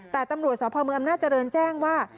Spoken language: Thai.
แต่ตำรวจสภมึงอำนาจเจริญแจ้งว่า